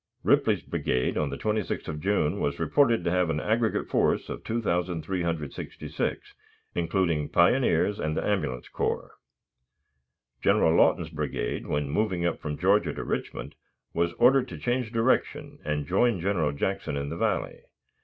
Ripley's brigade on the 26th of June was reported to have an aggregate force of 2,366, including pioneers and the ambulance corps. General Lawton's brigade, when moving up from Georgia to Richmond, was ordered to change direction, and join General Jackson in the Valley.